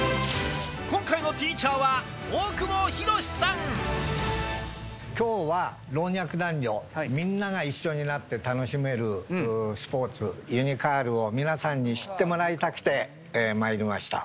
今回のティーチャーは、きょうは、老若男女、みんなが一緒になって楽しめるスポーツ、ユニカールを皆さんに知ってもらいたくて、まいりました。